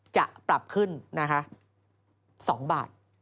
จะปรับขึ้นนะคะ๒บาท